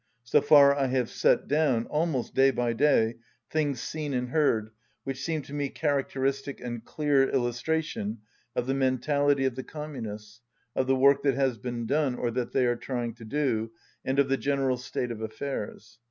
So far I have set down, almost day by day, things seen and heard which seemed to me characteristic and clear illustration of the mentality of the Com munists, of the work that has been done or that they are trying to do, and of the general state of affairs.